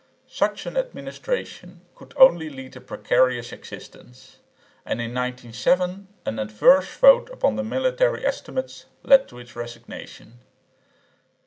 Such an administration could only lead a precarious existence, and in 1907 an adverse vote upon the military estimates led to its resignation.